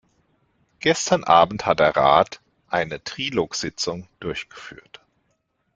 Gestern Abend hat der Rat eine Trilog-Sitzung durchgeführt.